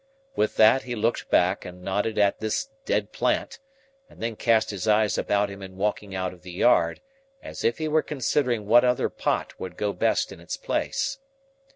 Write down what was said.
With that, he looked back, and nodded at this dead plant, and then cast his eyes about him in walking out of the yard, as if he were considering what other pot would go best in its place.